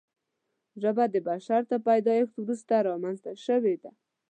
ژبه د بشر تر پیدایښت وروسته رامنځته شوې ده.